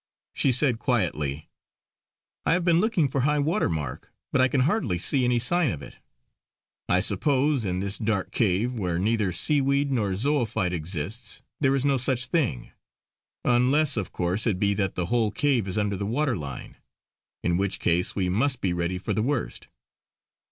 She said quietly: "I have been looking for high water mark, but I can hardly see any sign of it. I suppose in this dark cave, where neither seaweed nor zoophyte exists, there is no such thing. Unless of course it be that the whole cave is under the water line; in which case we must be ready for the worst."